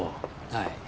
はい。